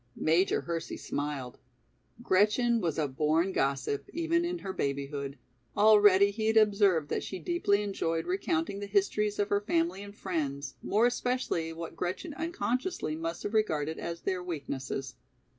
Major Hersey smiled; Gretchen was a born gossip, even in her babyhood, already he had observed that she deeply enjoyed recounting the histories of her family and friends, more especially what Gretchen unconsciously must have regarded as their weaknesses.